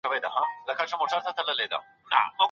که يو څوک خپلي ميرمني ته ووايي، چي پر حرامه يې.